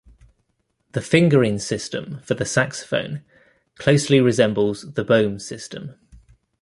The fingering system for the saxophone closely resembles the Boehm system.